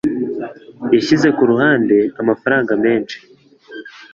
Yashyize ku ruhande amafaranga menshi.